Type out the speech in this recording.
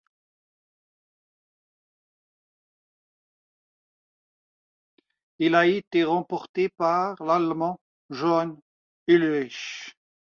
Elle a été remportée par l'Allemand Jan Ullrich.